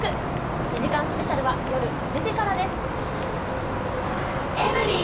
２時間スペシャルは、夜７時からです。